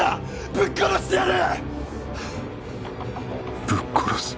ぶっ殺してやる！